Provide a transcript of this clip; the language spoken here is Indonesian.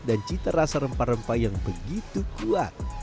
dan cita rasa rempah rempah yang begitu kuat